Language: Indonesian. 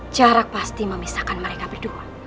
jarak pasti memisahkan mereka berdua